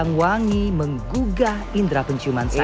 yang wangi menggugah indera penciuman saya